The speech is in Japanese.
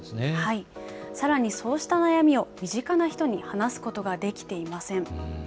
さらにそうした悩みを身近な人に話すことができていません。